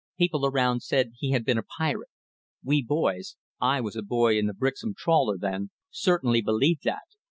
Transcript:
People around said he had been a pirate. We boys I was a boy in a Brixham trawler then certainly believed that.